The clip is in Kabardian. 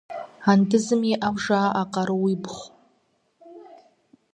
Андызым иӏэу жаӏэ къарууибгъу.